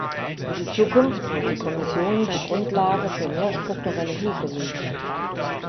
Für die Zukunft muss die Kommission die Grundlage für mehr strukturelle Hilfe legen.